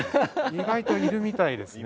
意外といるみたいですね。